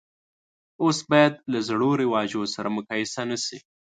اوس باید له زړو رواجو سره مقایسه نه شي.